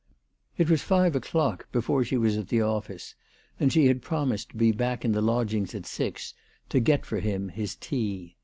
It was five o'clock before she was at the office, and she had promised to be back in the lodgings at six, to get for him his tea.